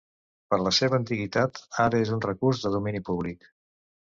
Per la seva antiguitat, ara és un recurs de domini públic.